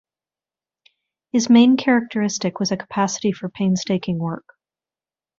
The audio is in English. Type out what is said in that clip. His main characteristic was a capacity for painstaking work.